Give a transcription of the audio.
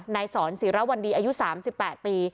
นายสอนศรีระวัลดีอายุ๓๘ปี